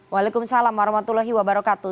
waalaikumsalam warahmatullahi wabarakatuh